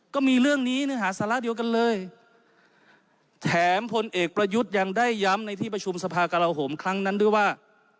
ก็มีเรื่องนี้เนื้อหาสาระเดียวกันเลยแถมผลเอกประยุทธ์ยังได้ย้ำในที่ประชุมสภากราโหมครั้งนั้นด้วยว่า